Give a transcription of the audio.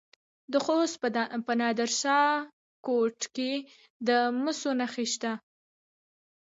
د خوست په نادر شاه کوټ کې د مسو نښې شته.